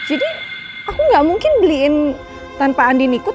jadi aku nggak mungkin beliin tanpa andien ikut